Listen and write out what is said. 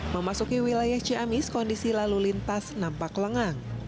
memasuki wilayah ciamis kondisi lalu lintas nampak lengang